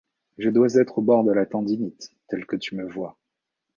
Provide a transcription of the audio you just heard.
Je dois être au bord de la tendinite, tel que tu me vois.